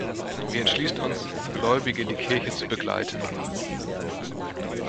Wir entschließen uns, Gläubige in die Kirche zu begleiten.